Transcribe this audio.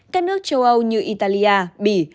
các nước châu âu như italia bỉ